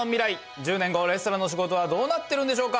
１０年後レストランの仕事はどうなってるんでしょうか？